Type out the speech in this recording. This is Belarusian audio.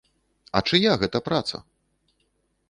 А чыя гэта праца?